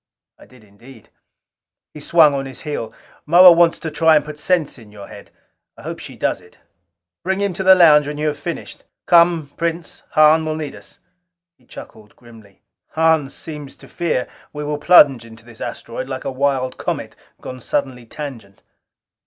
I did indeed. He swung on his heel. "Moa wants to try and put sense in your head I hope she does it. Bring him to the lounge when you have finished. Come, Prince, Hahn will need us." He chuckled grimly. "Hahn seems to fear we will plunge into this asteroid like a wild comet gone suddenly tangent!"